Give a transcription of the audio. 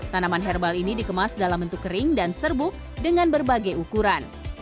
tanaman herbal ini dikemas dalam bentuk kering dan serbuk dengan berbagai ukuran